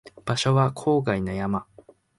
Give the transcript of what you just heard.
場所は郊外の山